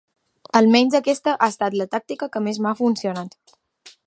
Almenys aquesta ha estat la tàctica que més m'ha funcionat.